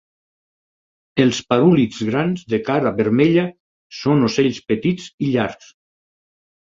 Els parúlids grans de cara vermella són ocells petits i llargs.